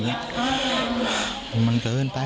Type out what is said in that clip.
มันเกินไปมันเกินไป